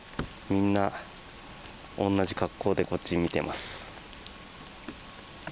みんな同じ格好でこっち見てます。